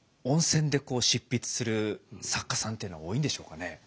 温泉で執筆する作家さんっていうのは多いんでしょうかね？